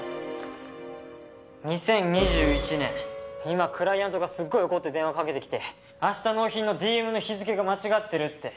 今クライアントがすっごい怒って電話かけてきて明日納品のＤＭの日付が間違ってるって。